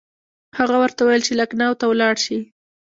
هغه ورته وویل چې لکنهو ته ولاړ شي.